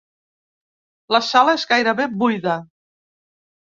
La sala és gairebé buida.